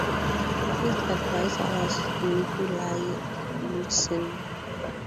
His advisor was Nikolai Luzin.